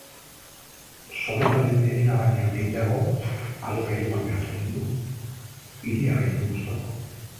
Soldataren herena baino gehiago alokairuan gastatzen du, hiria baitu gustuko.